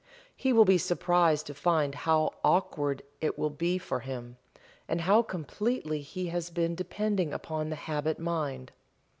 He will be surprised to find out how awkward it will be for him, and how completely he has been depending upon the habit mind.